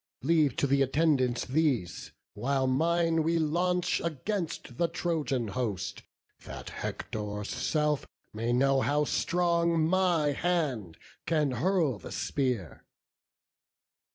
Leave to th' attendants these; while mine we launch Against the Trojan host, that Hector's self May know how strong my hand can hurl the spear."